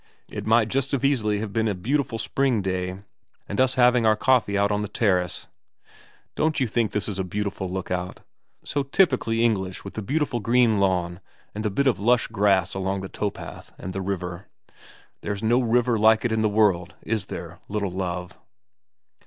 It might just as easily have been a beautiful spring day and us having our coffee out on the terrace. Don't you think this is a beautiful look out, so typically English with the beautiful green lawn and the bit of lush grass along the towpath, and the river. There's no river like it in the world, is there, little Love.